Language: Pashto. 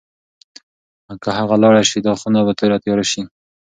که هغه لاړه شي، دا خونه به توره تیاره شي.